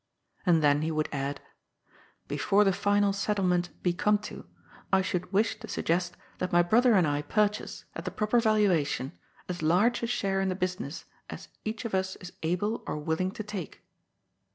And then he would add :^^ Before the final settlement be come to, I should wish to suggest that my brother and I purchase, at the proper valuation, as large a share in the business as each of us is able or willing to take."